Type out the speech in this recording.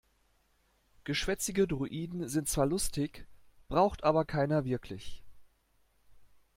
Geschwätzige Droiden sind zwar lustig, braucht aber keiner wirklich.